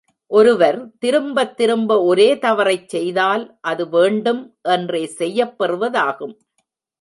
ஒருவர் திரும்ப திரும்ப ஒரே தவறைச் செய்தால் அது வேண்டும் என்றே செய்யப் பெறுவதாகும்.